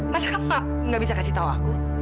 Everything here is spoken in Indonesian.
masa kamu gak bisa kasih tau aku